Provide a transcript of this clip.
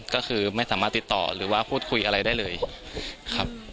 ก็คือไม่สามารถติดต่อหรือว่าพูดคุยอะไรได้เลยครับ